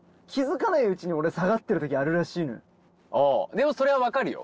でもそれは分かるよ。